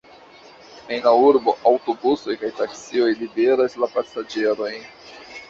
En la urbo aŭtobusoj kaj taksioj liveras la pasaĝerojn.